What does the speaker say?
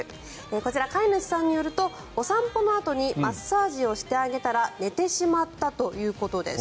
こちら、飼い主さんによるとお散歩のあとにマッサージをしてあげたら寝てしまったということです。